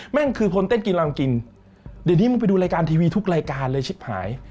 แม่งคือคนเต้นกินรังกินเดี๋ยวนี้มึงไปดูรายการทีวีทุกรายการเลยชิปหาย